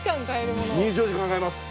２４時間買えます。